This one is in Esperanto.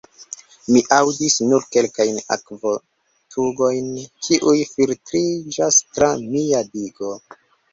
Mi aŭdis nur kelkajn akvogutojn, kiuj filtriĝas tra mia digo.